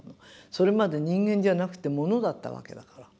それまで人間じゃなくて物だったわけだから。